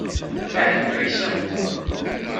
Ahat tuysem.